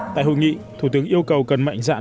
tại hội nghị thủ tướng yêu cầu cần mạnh dạn